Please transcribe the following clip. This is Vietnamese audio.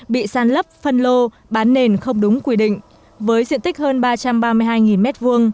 bị sàn lấp phân lô bán nền không đúng quy định với diện tích hơn ba trăm ba mươi hai m hai